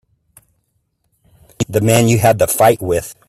The man you had the fight with.